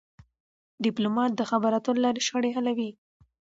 ډيپلومات د خبرو اترو له لارې شخړې حلوي..